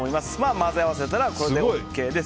混ぜ合わせたら、これでＯＫです。